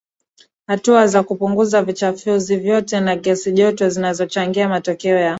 hatua za kupunguza vichafuzi vyote na gesi joto zinazochangia matokeo ya